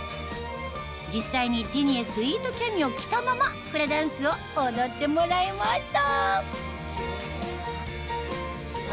実際にジニエスウィートキャミを着たままフラダンスを踊ってもらいました